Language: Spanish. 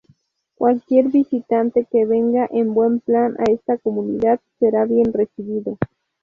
Cualquier visitante que venga en buen plan a esta comunidad será bien recibido.